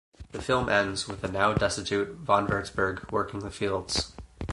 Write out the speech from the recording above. The film ends with the now destitute Von Wurzburg working the fields.